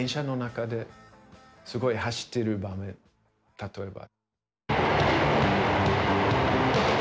例えば。